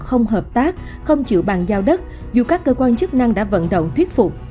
không hợp tác không chịu bàn giao đất dù các cơ quan chức năng đã vận động thuyết phục